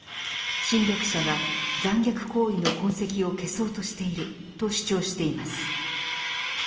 侵略者が残虐行為の痕跡を消そうとしていると主張しています。